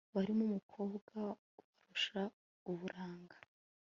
barimo umukobwa ubarusha uburanga